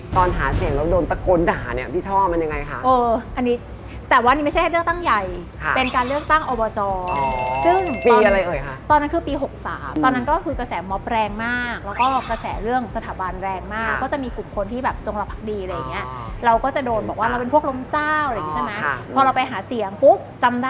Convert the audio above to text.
ถ้าเราร้องเพลงล่วงตูล่วงตูอยู่ในฯเราโดนรวบมั้ยค่ะ